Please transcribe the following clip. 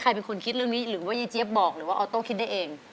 เป็นคนคิดเรื่องนี้หรือว่ายายเจี๊ยบบอกหรือว่าออโต้คิดได้เอง